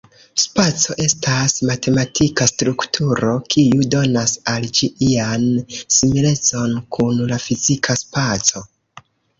Spaco estas matematika strukturo, kiu donas al ĝi ian similecon kun la fizika spaco.